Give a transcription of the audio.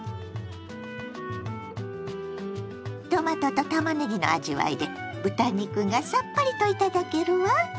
トマトとたまねぎの味わいで豚肉がさっぱりと頂けるわ。